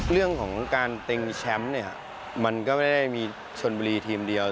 เรื่องของการเต็งแชมป์เนี่ยมันก็ไม่ได้มีชนบุรีทีมเดียว